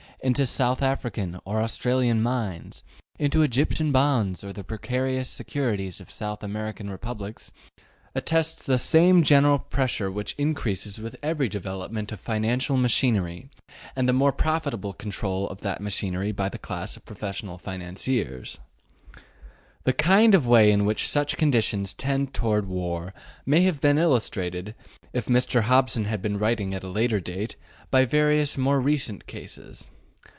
into South African or Australian mines, into Egyptian bonds, or the precarious securities of South American republics, attests the same general pressure which increases with every development of financial machinery and the more profitable control of that machinery by the class of professional financiers The kind of way in which such conditions tend toward war might have been illustrated, if Mr. Hobson had been writing at a later date, by various more recent cases.